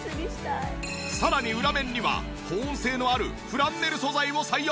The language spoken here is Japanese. さらに裏面には保温性のあるフランネル素材を採用。